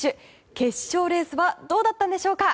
決勝レースはどうだったんでしょうか。